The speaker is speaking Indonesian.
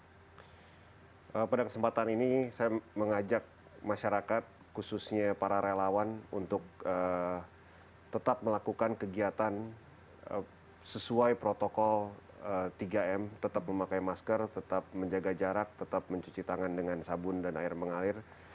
nah pada kesempatan ini saya mengajak masyarakat khususnya para relawan untuk tetap melakukan kegiatan sesuai protokol tiga m tetap memakai masker tetap menjaga jarak tetap mencuci tangan dengan sabun dan air mengalir